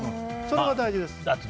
それは大事です。